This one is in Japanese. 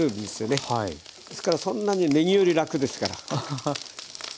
ですからそんなにねぎより楽ですから。